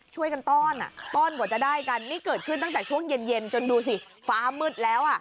ช่วยกันต้อนอ่ะต้อนกว่าจะได้กันนี่เกิดขึ้นตั้งแต่ช่วงเย็นจนดูสิฟ้ามืดแล้วอ่ะ